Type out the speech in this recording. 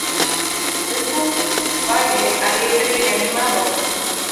Es un baile alegre y animado.